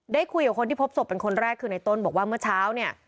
ได้คุยกับคนที่พบศพเป็นคนแรกคือในต้นบอกว่าเมื่อเช้าเนี่ย